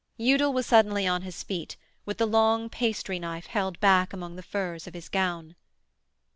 Udal was suddenly on his feet with the long pasty knife held back among the furs of his gown.